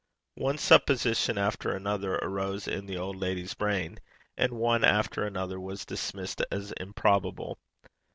One supposition after another arose in the old lady's brain, and one after another was dismissed as improbable.